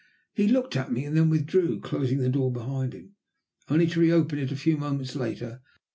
He looked at me and then withdrew, closing the door behind him, only to re open it a few moments later.